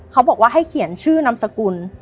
เขาบอกว่าให้เขียนชื่อนามสกุล